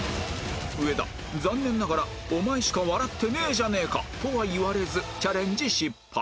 上田残念ながら「お前しか笑ってねえじゃねえか！」とは言われずチャレンジ失敗